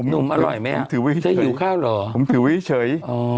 นุ่มอร่อยไหมเธอหิวข้าวเหรอผมถือไว้เฉย